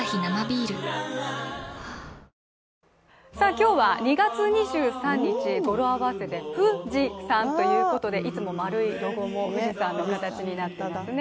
今日は２月２３日、語呂合わせでふ・じ・さ・んということでいつもの丸いロゴも富士山の形になっていますね。